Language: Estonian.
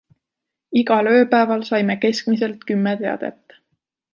Igal ööpäeval saime keskmiselt kümme teadet.